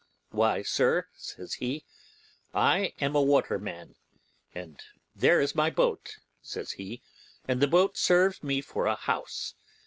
'Why, sir,' says he, 'I am a waterman, and there's my boat,' says he, 'and the boat serves me for a house.